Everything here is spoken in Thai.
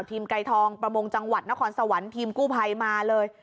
ไกรทองประมงจังหวัดนครสวรรค์ทีมกู้ภัยมาเลย